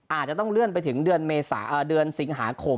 อาจจะต้องเลื่อนไปถึงเดือนสิงหาคม